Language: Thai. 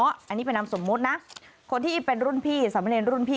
อันนี้เป็นนามสมมุตินะคนที่เป็นรุ่นพี่สามเนรรุ่นพี่